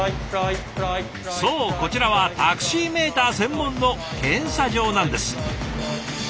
そうこちらはタクシーメーター専門の検査場なんです。